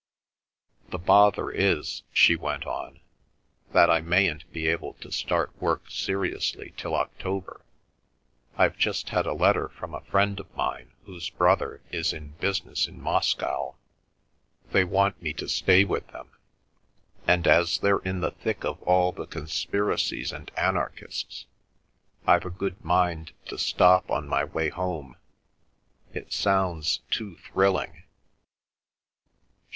"The bother is," she went on, "that I mayn't be able to start work seriously till October. I've just had a letter from a friend of mine whose brother is in business in Moscow. They want me to stay with them, and as they're in the thick of all the conspiracies and anarchists, I've a good mind to stop on my way home. It sounds too thrilling."